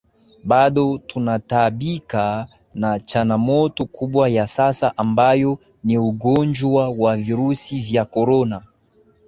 Bado tunataabika na chanamoto kubwa ya sasa ambayo ni Ugonjwa wa Virusi vya Korona